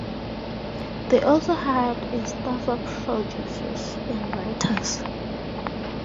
They also hired a staff of producers and writers.